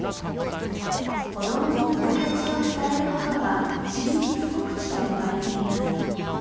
子供に生い立ちを伝えることは真実告知と呼ばれています。